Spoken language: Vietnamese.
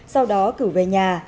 sau đó cửu về nhà